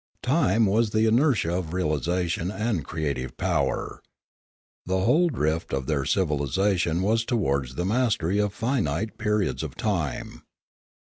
Time was the inertia of realisation and creative power. The whole drift of their civilisation was towards the mastery of finite periods of time.